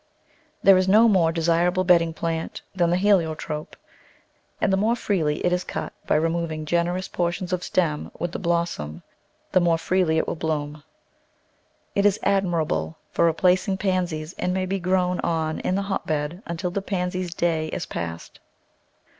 There is no more desirable bedding plant than the Heliotrope, and the more freely it is cut by removing generous portions of stem with the blossom the more freely it will bloom. It is admirable for replacing Pansies and may be grown on in the hotbed until the Pansy's day is past.